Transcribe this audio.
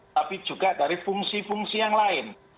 tapi juga dari fungsi fungsi yang lain